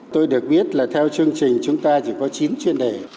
tôi được biết là theo chương trình chúng ta chỉ có chín chuyên đề